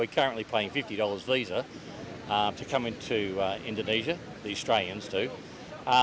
kami sedang membayar rp lima puluh untuk datang ke indonesia para orang australia juga